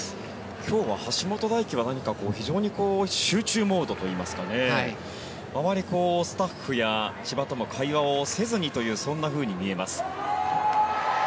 今日は橋本大輝は何か非常に集中モードといいますかあまりスタッフや千葉と会話をせずにというそんなふうに見えます。